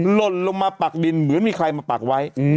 หล่นลงมาปักดินเหมือนมีใครมาปักไว้